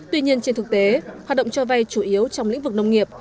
tuy nhiên trên thực tế hoạt động cho vay chủ yếu trong lĩnh vực nông nghiệp